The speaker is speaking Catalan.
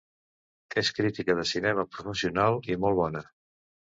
És crítica de cinema professional, i molt bona.